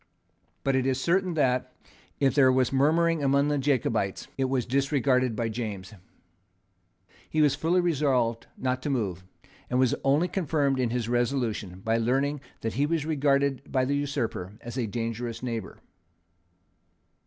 But it is certain that, if there was murmuring among the Jacobites, it was disregarded by James. He was fully resolved not to move, and was only confirmed in his resolution by learning that he was regarded by the usurper as a dangerous neighbour.